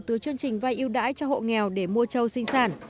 từ chương trình vay yêu đãi cho hộ nghèo để mua trâu sinh sản